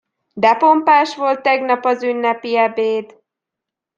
De pompás volt tegnap az ünnepi ebéd!